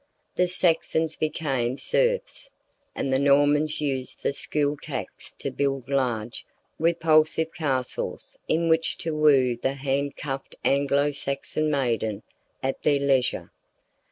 The Saxons became serfs, and the Normans used the school tax to build large, repulsive castles in which to woo the handcuffed Anglo Saxon maiden at their leisure.